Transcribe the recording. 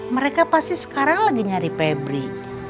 mereka pasti sekarang lagi nyari pebri